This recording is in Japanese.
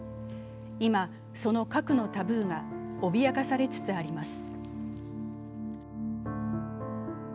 今その核のタブーが脅かされつつあります。